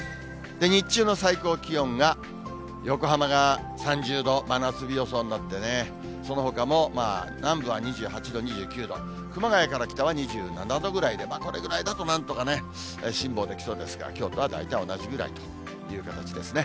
日中の最高気温が、横浜が３０度、真夏日予想になってね、そのほかも南部は２８度、２９度、熊谷から北は２７度ぐらいで、これぐらいだとなんとかね、辛抱できそうですが、きょうと大体同じぐらいという形ですね。